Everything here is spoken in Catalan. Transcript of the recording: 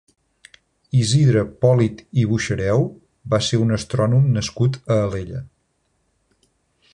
Isidre Pòlit i Boixareu va ser un astrònom nascut a Alella.